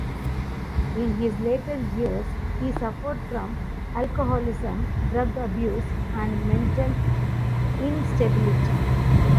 In his later years, he suffered from alcoholism, drug abuse and mental instability.